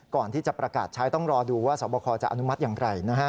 ก่อนที่จะประกาศใช้ต้องรอดูว่าสวบคจะอนุมัติอย่างไรนะฮะ